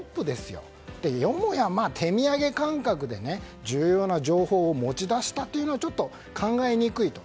よもや手土産感覚で重要な情報を持ち出したというのはちょっと考えにくいと。